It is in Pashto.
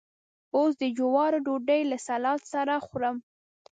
اوس د جوارو ډوډۍ له سلاد سره خورم.